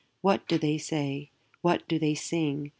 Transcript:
What do they say? What do they sing?